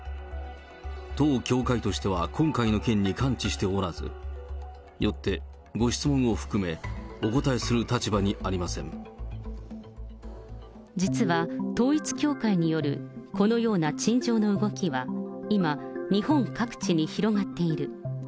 当教会としては今回の件に関知しておらず、よって、ご質問を含め、実は統一教会によるこのような陳情の動きは、今、日本各地に広がっている。